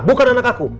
bukan anak aku